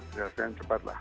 terselesaikan cepat lah